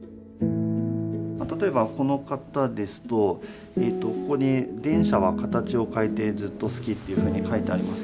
例えばこの方ですとここに「電車は形をかえてずっとすき」っていうふうに書いてあります。